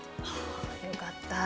よかった！